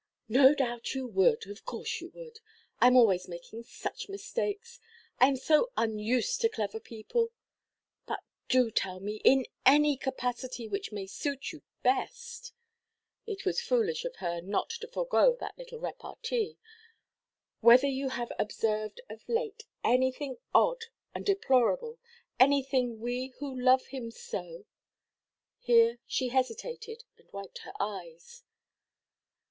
"No doubt you would—of course you would. I am always making such mistakes. I am so unused to clever people. But do tell me, in any capacity which may suit you best"—it was foolish of her not to forego that little repartee—"whether you have observed of late anything odd and deplorable, anything we who love him so——" Here she hesitated, and wiped her eyes.